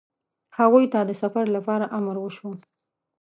هغوی ته د سفر لپاره امر وشو.